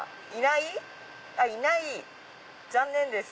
いない残念です。